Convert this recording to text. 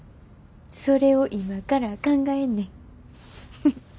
それを今から考えんねん。